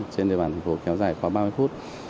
trên địa bàn thành phố kéo dài quá ba mươi phút